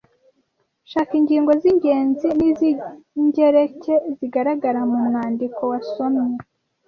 Shaka ingingo z’ingenzi n’iz’ingereke zigaragara mu mwandiko wasomye.